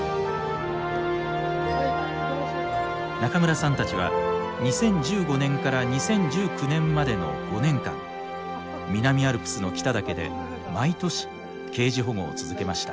中村さんたちは２０１５年から２０１９年までの５年間南アルプスの北岳で毎年ケージ保護を続けました。